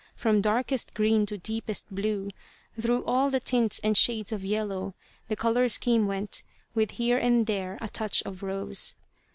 From darkest green to deepest blue, through all the tints and shades of yellow, the colour scheme went, with here and there a touch of rose.